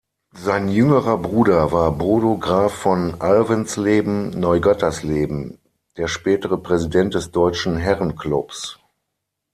Sein jüngerer Bruder war Bodo Graf von Alvensleben-Neugattersleben, der spätere Präsident des Deutschen Herrenklubs.